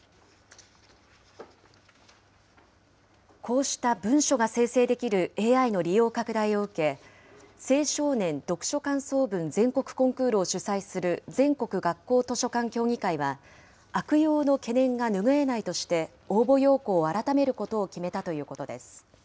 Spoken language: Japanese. こうした文書が生成できるＡＩの利用拡大を受け、青少年読書感想文全国コンクールを主催する全国学校図書館協議会は、悪用の懸念が拭えないとして、応募要項を改めることを決めたということです。